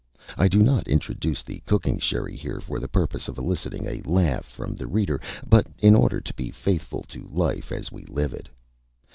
I do not introduce the cooking sherry here for the purpose of eliciting a laugh from the reader, but in order to be faithful to life as we live it.